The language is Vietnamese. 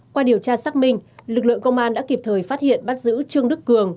qua điều tra xác minh lực lượng công an đã kịp thời phát hiện bắt giữ trương đức cường